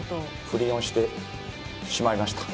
不倫をしてしまいました。